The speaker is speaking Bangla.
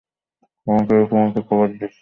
আমি তোমাকে কভার দিচ্ছি।